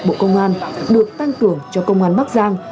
bộ công an được tăng cường cho công an bắc giang